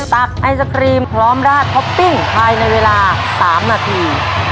ไอศครีมพร้อมราดท็อปปิ้งภายในเวลา๓นาที